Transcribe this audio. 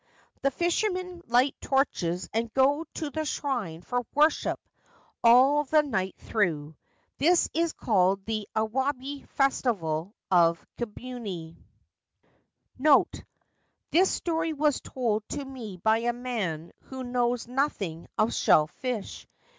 The fishermen light torches and go to the shrine for worship all the night through. This is called the * Awabi Festival ' of Kibune. 344 A Festival of the Awabi Fish NOTE. — The story was told to me by a man who knows nothing of shell fish.